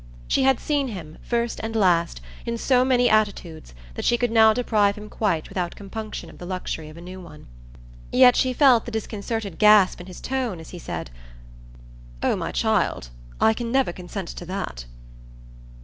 She had seen him, first and last, in so many attitudes that she could now deprive him quite without compunction of the luxury of a new one. Yet she felt the disconcerted gasp in his tone as he said: "Oh my child, I can never consent to that!"